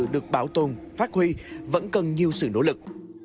được bảo tồn phát huy vẫn cần nhiều sự nỗ lực